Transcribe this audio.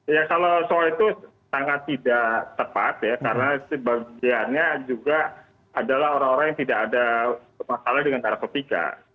ya kalau soal itu sangat tidak tepat ya karena sebagiannya juga adalah orang orang yang tidak ada masalah dengan narkotika